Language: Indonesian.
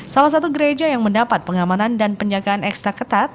salah satu gereja yang mendapat pengamanan dan penjagaan ekstra ketat